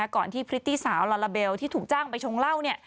ก่อนที่พริตตี้สาวลาลาเบลที่ถูกจ้างไปชงเหล้าเนี่ย